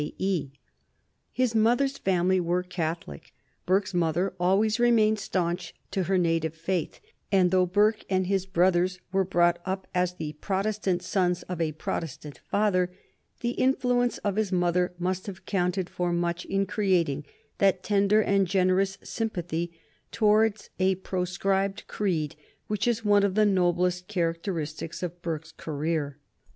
His mother's family were Catholic; Burke's mother always remained stanch to her native faith, and, though Burke and his brothers were brought up as the Protestant sons of a Protestant father, the influence of his mother must have counted for much in creating that tender and generous sympathy towards a proscribed creed which is one of the noblest characteristics of Burke's career.